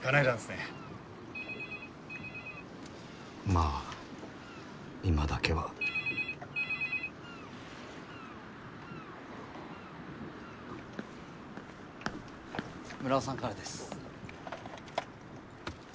まあ今だけはムラオさんからです。